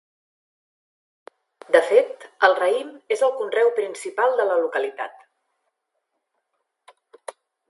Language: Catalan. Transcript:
De fet, el raïm és el conreu principal de la localitat.